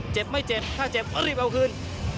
เจ็บไม่เจ็บถ้าเจ็บรีบเอาคืน